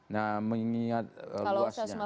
nah mengingat luasnya